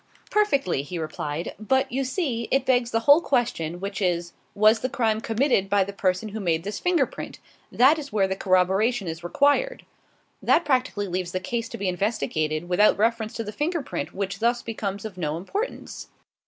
"Perfectly," he replied. "But, you see, it begs the whole question, which is, 'Was the crime committed by the person who made this finger print?' That is where the corroboration is required." "That practically leaves the case to be investigated without reference to the finger print, which thus becomes of no importance."